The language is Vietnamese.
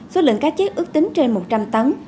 số lượng cá chết ước tính trên một trăm linh tấn